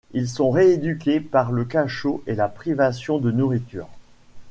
Ils sont rééduqués par le cachot et la privation de nourriture.